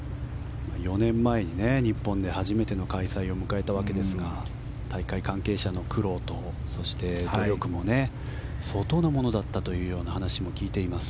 ４年前に日本で初めての開催を迎えたわけですが大会関係者の苦労と努力も相当なものだったという話も聞いています。